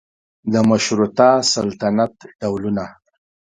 د مشروطه سلطنت ډولونه